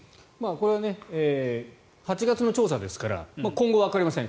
これは８月の調査ですから今後わかりません。